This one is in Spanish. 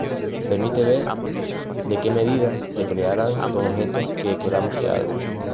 Permite ver de que medidas se crearán los objetos que queramos que haga.